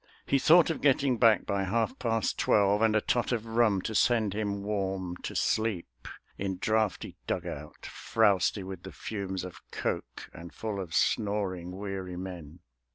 He thought of getting back by half past twelve, And tot of rum to send him warm to sleep, In draughty dug out frowsty with the fumes Of coke, and full of snoring, weary men.